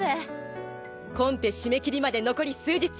コンペ締め切りまで残り数日！